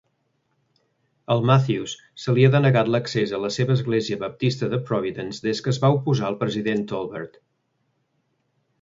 A Matthews se li havia denegat l'accés a la seva l'Església Baptista de Providence des que es va oposar a el president Tolbert.